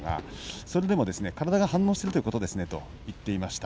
それでも、体が反応しているということですねと言ってました。